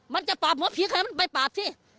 มันจะปากหมอผีมันไปปากสิ